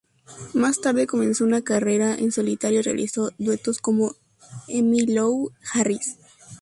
Más tarde comenzó una carrera en solitario y realizó duetos con Emmylou Harris.